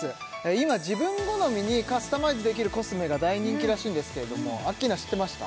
今自分好みにカスタマイズできるコスメが大人気らしいんですけれどもアッキーナ知ってました？